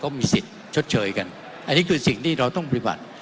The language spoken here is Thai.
มีสิทธิ์ชดเชยกันอันนี้คือสิ่งที่เราต้องปฏิบัติ